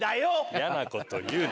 やなこと言うな。